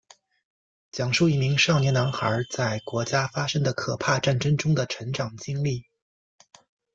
讲述一名少年男孩在国家发生的可怕战争中的成长经历。